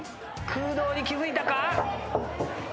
空洞に気付いたか？